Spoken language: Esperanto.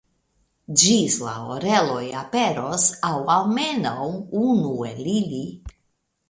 Ĝis la oreloj aperos, aŭ almenaŭ unu el ili.